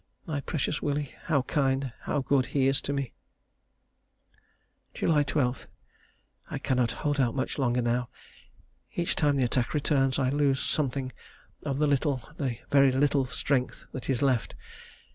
My precious Willie, how kind, how good he is to me.... July 12. I cannot hold out much longer now. Each time the attack returns I lose something of the little, the very little strength that is left.